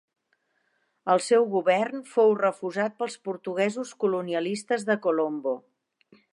El seu govern fou refusat pels portuguesos colonialistes de Colombo.